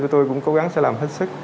tôi cũng cố gắng sẽ làm hết sức